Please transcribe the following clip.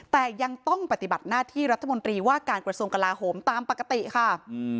แต่ยังต้องปฏิบัติหน้าที่รัฐมนตรีว่าการกระทรวงกลาโหมตามปกติค่ะ